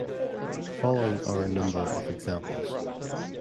Following are a number of examples.